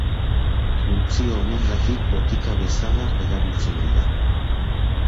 Funtzio honengatik botika bezala erabiltzen dira.